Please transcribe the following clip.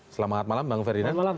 selamat malam bang ferdinand